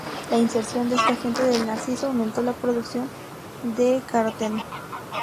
La inserción de este gen del narciso aumentó la producción de ß-caroteno.